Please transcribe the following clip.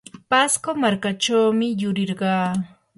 pasco markachawmi yurirqaa.